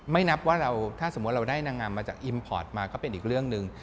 นับว่าถ้าสมมุติเราได้นางงามมาจากอิมพอร์ตมาก็เป็นอีกเรื่องหนึ่ง